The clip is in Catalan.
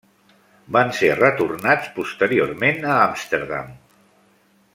Van ser retornats posteriorment a Amsterdam.